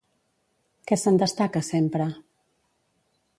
Què se'n destaca sempre?